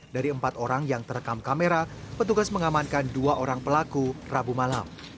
dari empat orang yang terekam kamera petugas mengamankan dua orang pelaku rabu malam